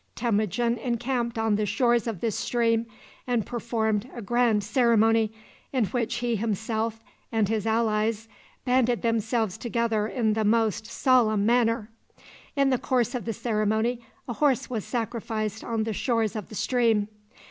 Temujin encamped on the shores of this stream, and performed a grand ceremony, in which he himself and his allies banded themselves together in the most solemn manner. In the course of the ceremony a horse was sacrificed on the shores of the stream.